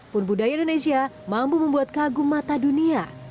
pun budaya indonesia mampu membuat kagum mata dunia